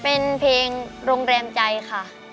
เป็นเพลงโรงแรมใจค่ะ